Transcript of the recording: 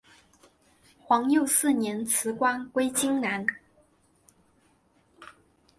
皇佑四年辞官归荆南。